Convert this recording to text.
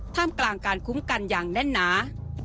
ท่ามกลางการคุ้มกันอย่างแน่นหนา